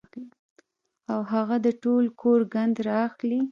او هغه د ټول کور ګند را اخلي